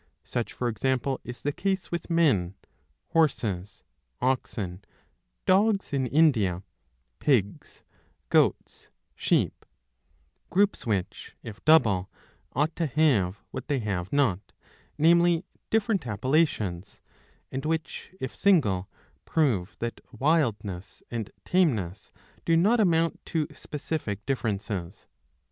Such for example is the case with Men, Horses, Oxen, Dogs in India,' Pigs, Goats, Sheep ; groups which, if double, ought to have what they have not, namely, different appellations ; and which, if single, prove that Wildness and Tameness do not amount to specific differences.